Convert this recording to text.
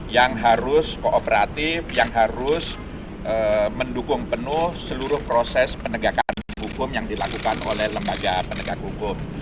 yang harus kooperatif yang harus mendukung penuh seluruh proses penegakan hukum yang dilakukan oleh lembaga penegak hukum